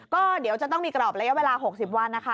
ก็เดี๋ยวจะต้องมีกรอบระยะเวลา๖๐วันนะคะ